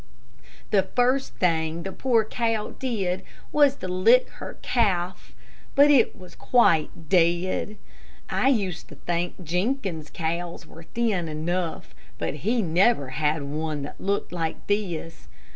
The first thing the poor cow did was to lick her calf, but it was quite dead. I used to think Jenkins's cows were thin enough, but he never had one that looked like this.